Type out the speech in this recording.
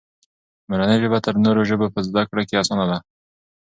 مورنۍ ژبه تر نورو ژبو په زده کړه کې اسانه ده.